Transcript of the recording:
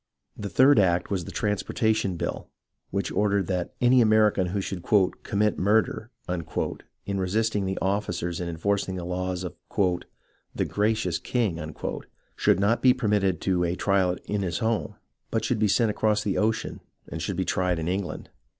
The third act was the Transportation Bill, which ordered that any American who should "commit murder" in resisting the officers in enforcing the laws of " the gracious king," should not be entitled to a trial in his home, but should be sent across the ocean, and should be tried in England.